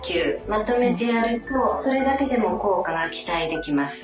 まとめてやるとそれだけでも効果が期待できます。